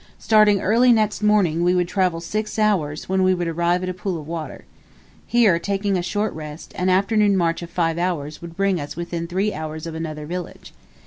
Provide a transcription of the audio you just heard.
Starting early next morning, we would travel six hours when we would arrive at a pool of water. Here taking a short rest, an afternoon march of five hours would bring us within three hours of another village.